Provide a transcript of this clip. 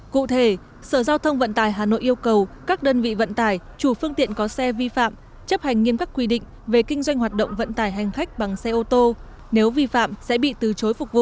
cụ thể sở giao thông vận tải hà nội yêu cầu các đơn vị vận tải chủ phương tiện có xe vi phạm chấp hành nghiêm các quy định về kinh doanh hoạt động vận tải hành khách bằng xe ô tô nếu vi phạm sẽ bị từ chối phục vụ